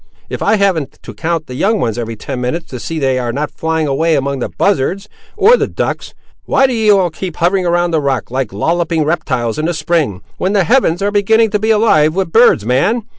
if I haven't to count the young ones every ten minutes, to see they are not flying away among the buzzards, or the ducks. Why do ye all keep hovering round the rock, like lolloping reptiles in the spring, when the heavens are beginning to be alive with birds, man.